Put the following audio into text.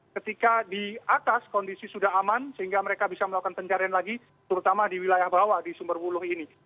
ketika di atas kondisi sudah aman sehingga mereka bisa melakukan pencarian lagi terutama di wilayah bawah di sumberbuluh ini